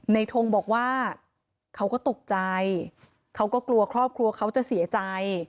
ทงบอกว่าเขาก็ตกใจเขาก็กลัวครอบครัวเขาจะเสียใจ